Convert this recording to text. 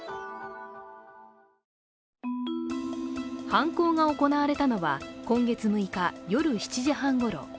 犯行が行われたのは今月６日、夜７時半ごろ。